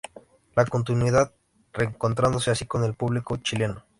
La Continuidad", reencontrándose así con el público chileno.